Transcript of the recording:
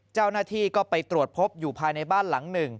เจ้าหน้าที่ก็ไปตรวจพบอยู่ภายในบ้านหลังหนึ่ง